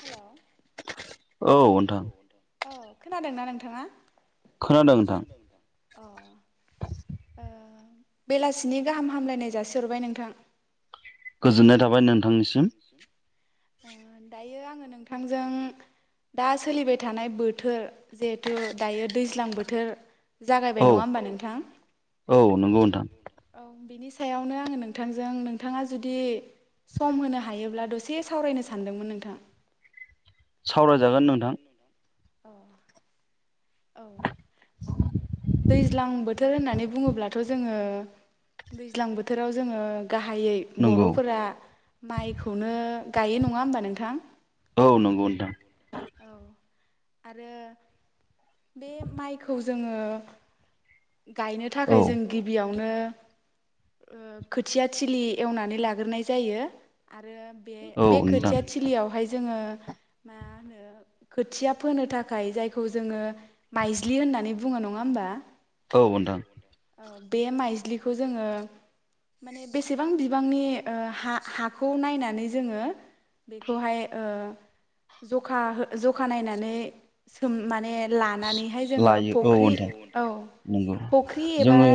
Hello औ नोंथां औ खोनादोंना नोंथाङा? खोनादों नोंथां। अ ओ बेलासिनि गाहाम हामलायनाय जासिहरबाय नोंथां गोजोननाय थाबाय नोंथांनिसिम। दायो आङो नोंथांजों दा सोलिबाय थानाय बोथोर जिहेथु दायो दैज्लां बोथोर जागायबाय नङा होमबा नोंथां औ बेनिस सायावनो आङो नोंथांजों नोंथाङा जुदि सम होनो हायोब्ला दसे सावरायनो सानदोंमोन नोंथां। सावरायजागोन नोंथां। अ औ दैज्लां बोथोर होननानै बुङोब्लाथ' जोङो दैज्लां बोथोराव जोङो गाहायै बर'फोरा माइखौनो गायो नङा होमबा नोंथां? औ नंगौ नोंथां। आरो बे माइखौ जोङो गायनो थाखाय जों गिबियावनो खोथिया थिलि एवनानै लाग्रोनाय जायो। आरो बे बे खोथिया थिलियावहाय जोङो मा होनो खोथिया फोनो थाखाय जायखौ जोङो माइज्लि होननानै बुङो नङा होमबा औ नोंथां बे माइज्लिखौ जोङो माने बेसेबां बिबांनि हा हाखौ नायनानै जोङो बेखौहाय ओ जखा जखा नायनानै सोम माने लानानैहाय जोङो फुख्रि औ जोङो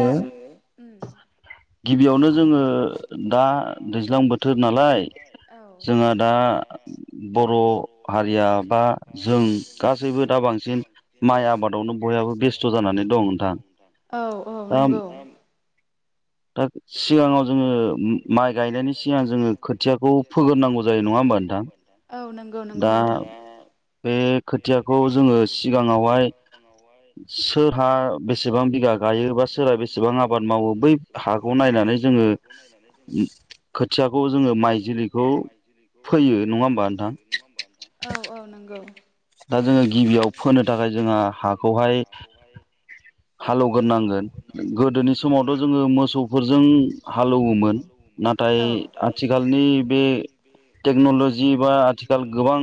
उम गिबियावनो जोङो दा दैज्लां बोथोर नालाय औ औ औ नंगौ दा सिगाङाव जोङो माइ गायनायनि सिगां जोङो खोथियाखौ फोग्रोनांगौ जायो नङा होमबा नोंथां दा बे खोथियाखौ जोङो सिगाङावहाय सोरहा बेसेबां बिगा गायो बा सोरहा बेसेबां आबाद मावो बै हा बेखौ नायनानै जोङो खोथियाखौ जोङो माइजुलिखौ फोयो नङा होमबा नोंथां औ औ नंगौ औ। दा जोङो गिबियाव फोनो थाखाय जोंहा हाखौहाय हालौवग्रोनांगोन गोदोनि समावथ जोङो मोसौफोरजों हालौवोमोन नाथाय आथिखालनि बे टेक्नलजि बा आथिखाल गोबां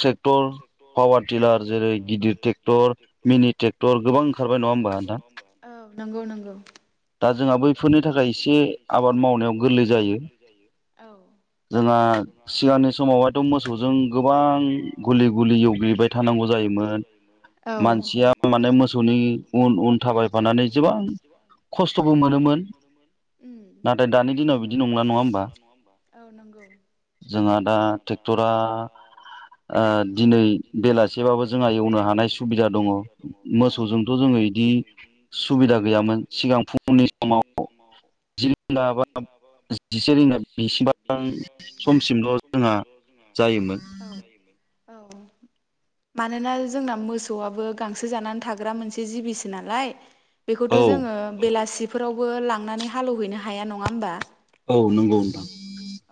ट्रेक्टर पावार टिलार जेरै गिदिर ट्रेक्टर मिनि ट्रेक्टर गोबां ओंखारबाय नङा होमबा नोंथां? नोंगौ नोंगौ। दा जोंहा बैफोरनि थाखाय एसे आबाद मावनायाव गोरलै जायो जोंहा सिगांनि समावहायथ मोसौजों गोबां गुलि गुलि एवग्लिबाय थानांगौ जा जायोमोन मानसिया माने मोसौनि उन उन थाबायफानानै जिबि खस्थबो मोनोमोन नाथाय दानि दिनाव बिदि नंला नङा होमबाथ औ नंगौ जोंहा दा टेक्टरा ओ दिनै एसेबाबो जोंहा एवनो हानाय सुबिदा दङ मोसौजोंथ जोङो इदि सुबिदा गैयामोन। गैयामोन सिगां फुंनि समाव सिरिबाबो जिसे रिंगाबिसिबां समसिमल जोंहा औ जायोमोन। औ। मानोना जोंना मोसौआबो गांसो जानानै थाग्रा मोनसे जिबिसो नालाय। बेखौथ जोङो बेलासि फोरावबो लांनानै हालौहैनो हाया नङा होमबा। औ नंगौ नोंथां।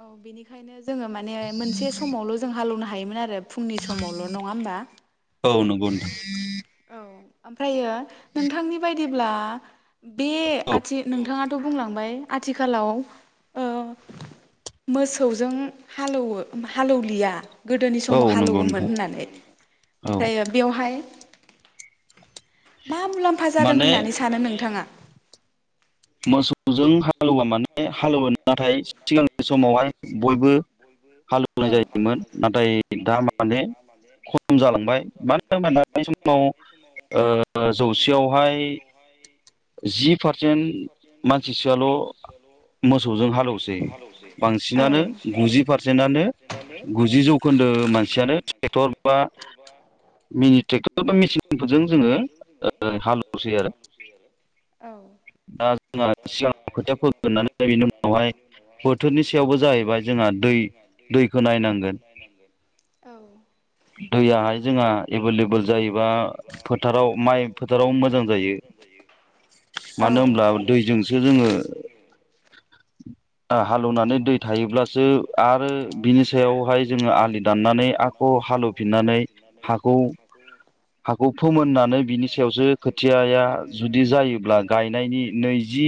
औ बिनिख खायनो जोङो माने मोनसे समावल जों हालौना हायोमोन आरोब। फुंनि समावल नङा होमबा? औ [unintelligible] ओमफ्रायो नोंथांनि बायदिब्ला बे आथि नोंथाङा थ' बुंलांबाय आथिखालाव ओ मोसौजों हालौयो उम हालौलिया। गोदोनि समाव हालोवोमोन होननानै ओमफ्रायो अहाय मा मुलाम्फा जादों होननानै सानो नोंथाङा? मोसौजों हालौवा माने हालौवो नाथाय सिगां समावहाय बयबो औ हालौनाय जायोमोन नाथाय दा माने खम जालांबाय मानो होनबाना बे समाव ओयो जौसेयावहाय। जि पारसेन्ट मानसिसोआल' मोसौजों हालौसै बांसिन। नानो गुजि पारसेनानो गुजि जौखोन्दो मानसियानो ट्रेक्टर बा मिनि ट्रेक्टर बा मेसिनफोरजों जोङो ओयो हालौसै आरो। दा जोंहा सिगाङाव खोथिया फोग्रोनानै बेनि उनावहाय बोथोरनि बोथोरनि सायावबो जाहैबाय जोंहा दै दैखौ नायनांगोन औ दैयाहाय जोंहा एभेलेबेल जायोबा फोथाराव माइ फोथाराव मोजां जायो। औ मानो होनब्ला दैजोंसो जोङो आ हालेवनानै दै थायोब्लासो आरो बिनि सायावहाय जोङो आलि दाननानै आख' हालौवफिननानै हाखौ हाखौ फोमोननानै बिनि सायावसो खोथियाया जुदि जायोब्ला गायनायनि नैजि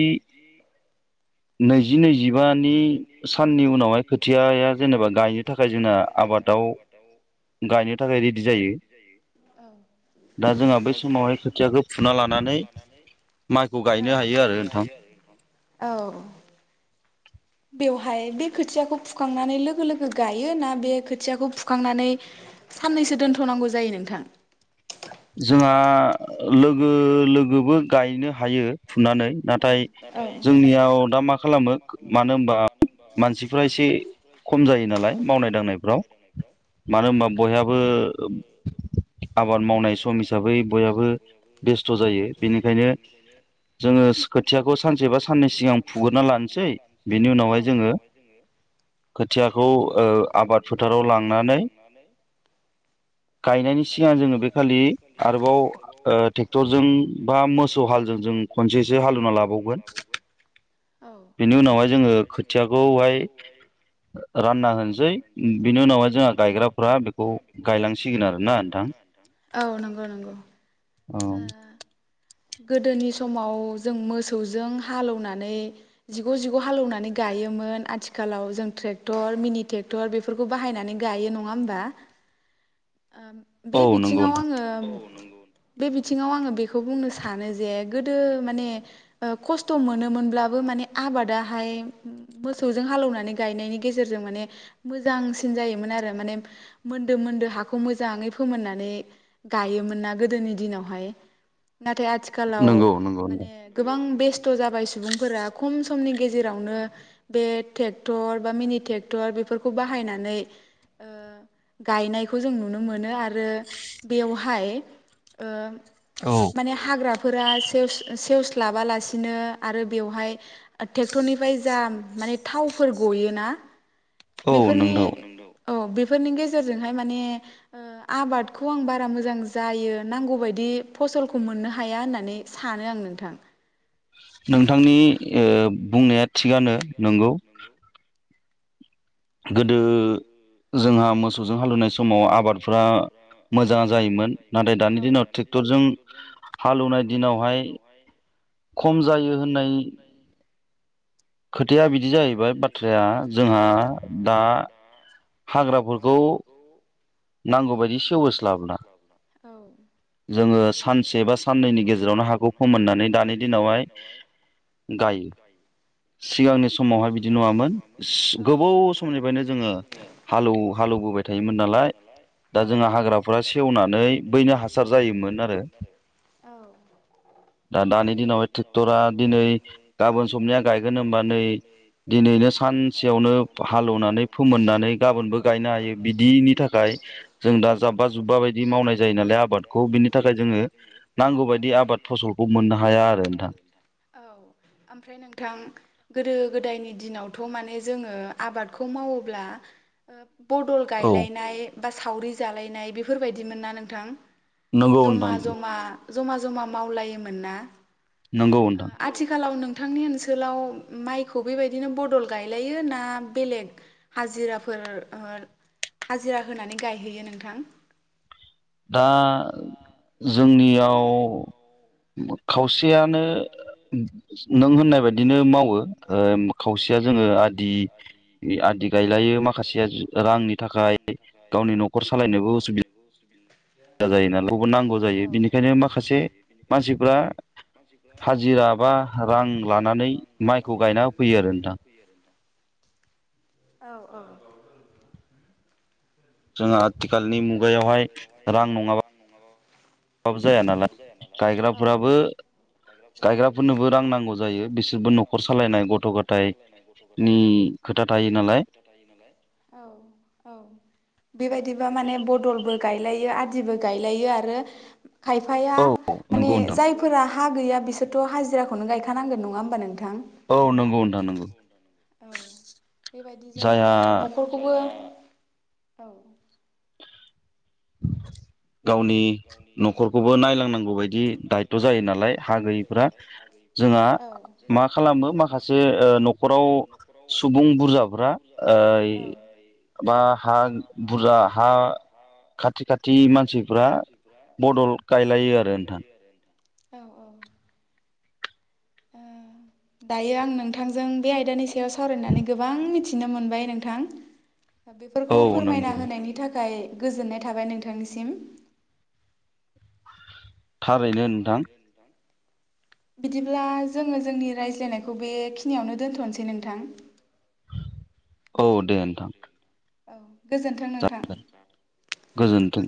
नैजि नैजिबानि बानि साननि उनावहाय खोथियाया जेनेबा गायनो थाखाय जोंना आबादाव गायनो थाखाय रेदि जायो। औ। दा जोंहा बै समावहाय खोथियाखौ फुना लानानै ओं गायनो हायो आरो औ बेवहाय बे खोथियाखौ फुखांनानै लोगो लोगो गायो ना बे खोथियाखौ फुखांनानै साननैसो दोनथ'नांगौ जायो नोंथां? जोंहा लोगो लोगोबो गायनो हायो फुनानै नाथाय जोंनियाव दा मा खालामो मा खालामो मानो होनबा मानसिफ्रा एसे खम जायो नालाय मावनाय दांनायफ्राव मानो होनबा बयहाबो आबा सम हिसाबै बयहाबो बेस्थ' जायो बेनिखायनो जोङो खोथियाखौ सानसे बा साननै सिगां फुगोरना लानोसै लानोसै बिनि उनावहाय जोङो खोथियाखौ ओ आबाद फोथाराव लांनानै गायनायनि सिगां जोङो बे खालि आरोबाव ओ ट्रेक्टरजों बा मोसौ हालजों जों खनसेसो हालौना लाबावगोन बेनि उनावहाय जोङो खोथियाखौहाय रानना होनोसै बिनि उनावहाय जोंहा गायग्राफ्रा बेखौ गायलांसिगोन आरो। सिगोन आरोना नोंथांऔ नंगौ नंगौ। ओं। गोदोनि समाव जों मोसौजों हालौनानै जिग' जिग' हालौवनानै गायोमोन आथिखालाव जों ट्रेक्टर मिनि ट्रेक्टर बेफोरखौ बाहायनानै गायो नङा होमबा? ओ बे बिथिङाव आङो औ नंगौ। बे बिथिङाव आङो बेखौ बुंनो सानो जे गोदो माने ओ खस्थ' मोनोमोनब्लाबो माने आबादाहाय मोसौजों हालौनानै गायनायनि गेजेरजों माने मोजांसिन जायोमोन आरो माने मोनदो मोनदो हा खौ मोजाङै फोननानै गायोमोन ना गोदोनि दिनावहाय ना थाय आथिखालाव माने गोबां बे बेस्थ' जाबाय सुबुंफोरा खम समनि गेजेरावनो बे ट्रेक्टर बा मिनि ट्रेक्टर बेफोरखौ बाहायनानै ओ गायनाय खौ जों नुनो मोनो आरो बेयावहाय ओ माने हाग्रा फोरा सेव-सेवस्लाबालासिनो आरो बेवहाय ट्रेक्टरनिफ्राय जा माने थावफोर गयोना बेफोरनि औ बेफोरनि गेजेरजोंहाय माने ओ आबादखौ आं बारा मोजां जायो नांगौबायायदि फसलखौ मोननो हाया होननानै सानो आं नोंथां। नोंथांनि ओ बुंनाया थिगानो नोंगौ। गोदो जोंहा मोसौजों हालेवनाय समाव आबादफोरा मोजां जायोमोन नाथाय दानि दिनाव ट्रेक्टरजों हालेवनाय दिनावहाय खम जायो होननाय खोथाया बिदि जाहैबाय बाथ्राया जोंहा दा हाग्राफोरखौ नांगौ बायदि सेवहोस्लाबला जोङो सानसे बा साननैनि गेजेरावनो हाखौ फोमोननानै दानि दिनावहाय गायो सिगांनि समावहाय बिदि नङामोन गोबाव समनिफ्रायनो जोङो हालौ हालौबोबाय थायोमोन दा जोंहा हाग्रा औ खाय जों दा जाब्बा जुब्बा बायदि मावनाय जायो नालाय आबादखौ बिनि थाखाय जोङो नांगौ बायदि आबाद फसलखौ मोननो हाया आरो नोंथां गोदायनि दिनावथ' माने जोङो आबादखौ मावोब्ला ओ बदल गायलायनाय बा सावरि जालायनाय बेफोरबायदिमोन ना नोंथां जमा जमा जमा ज'मा मावलायोमोन ना ओ आथिखालाव नों थांनि ओनसोलाव माइखौ बेबायदिनो बदल गायलायो ना बेलेग हाजिराफोर हाजिरा होनानै गायहैयो नोंथां? दा जोंनियाव [inaudible] खावसेयानो नों होननाय बाय दिनो मावो ओ खावसेया जोङो आदि आदि गायलायो माखासेया रांनि थाखाय गावनि न'खर सालायनोबो उसुबिद जायो नालाय खौबो नांगौ जायो बिनिखायनो माखासे मानसिफ्रा हाजिरा बा रां लाना औ औ औ जोंहा आथिखालनि मुगायावहाय रां नङाबा बाबो जाया नालाय गायग्राफोराबो गायग्राफोरनोबो रां नांगौ जायो बिस औ औ बेबायदिबा माने बदलबो गायलायो आदिबो गायलायो आरो खायफाया माने जायफोरा हा गैया बि थ' हाजिराखौनो गायखानांगोन नङा हो बा नोंथां। औ नंगौ नोंथां नंगौ। औ बेबायदिजों माने न'खरखौबो औ। [inaudible] गावनि न'खरखौबो नायलांनांगौ बायदि दायत' जायो नालाय हा गैयैफोरा जोंहा मा खालामो माखासे ओ न'खराव सुबुं बुरजाफ्रा ओइ बा हा बुरजा हा खाथि खाथि मानसिफ्रा सिफ्रा बदल गायलायो आरो नोंथां। औ औ ओ दायो आं नोंथांजों बे आयदानिसि सावरायनानै गोबां मिथि थिनो मोनबाय नोंथां। बेफोरखौ फोरमायना होनायनि थाखाय गोजोननाय थाबाय नोंथांनिसिम। थारैनो नोंथां। बिदिब्ला जोङो जोंनि रायज्लायनायखौ बेखिनियावनो दोनथ'नोसै नोंथां। औ दे नोंथां। औ गोजोन [unintelligible] गोजोन्थों।